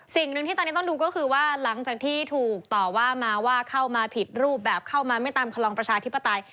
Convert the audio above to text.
สิ่งหนึ่งที่ตอนนี้ต้องดูก็คือว่าหลังจากที่ถูกต่อว่ามาว่าเข้ามาผิดรูปแบบเข้ามาไม่ตามคลองประชาธิปไตย